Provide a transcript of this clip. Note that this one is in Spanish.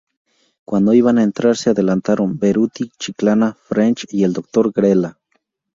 Cuando iban a entrar, ""se adelantaron Beruti, Chiclana, French y el doctor Grela.